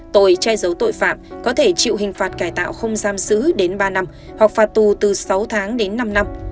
tội che giấu tội phạm có thể chịu hình phạt cải tạo không giam giữ đến ba năm hoặc phạt tù từ sáu tháng đến năm năm